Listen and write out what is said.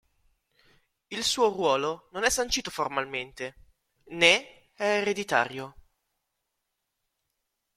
Il suo ruolo non è sancito formalmente, né è ereditario.